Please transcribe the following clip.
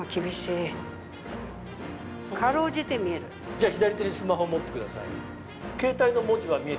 じゃあ左手にスマホ持ってください。